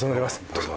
どうぞ。